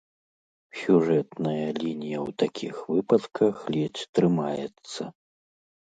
Сюжэтная лінія ў такіх выпадках ледзь трымаецца.